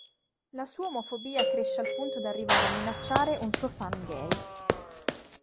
La sua omofobia cresce al punto da arrivare a minacciare un suo fan gay.